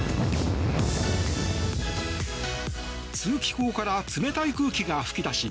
通気口から冷たい空気が吹き出し